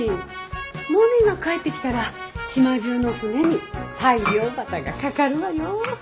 モネが帰ってきたら島中の船に大漁旗が掛かるわよ。